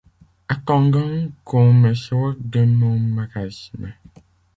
attendant qu'on me sorte de mon marasme.